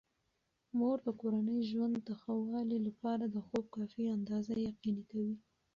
مور د کورني ژوند د ښه والي لپاره د خوب کافي اندازه یقیني کوي.